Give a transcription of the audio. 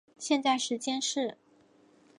现在时间是。